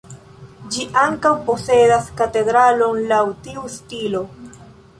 Ĝi ankaŭ posedas katedralon laŭ tiu stilo.